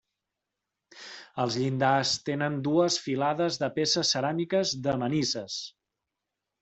Els llindars tenen dues filades de peces ceràmiques de Manises.